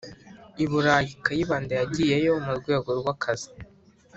i burayi, kayibanda yagiyeyo mu rwego rw' akazi